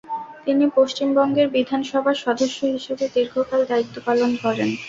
তিনি পশ্চিমবঙ্গের বিধান সভার সদস্য হিসেবে দীর্ঘকাল দায়িত্ব পালন করেন।